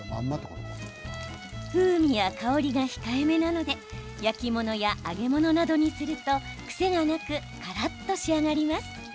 風味や香りが控えめなので焼き物や揚げ物などにすると癖がなく、からっと仕上がります。